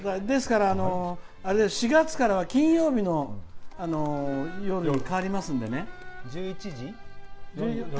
ですから４月からは金曜日の夜に変わりますんで。